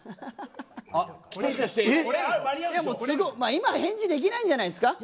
今、返事できないんじゃないですか。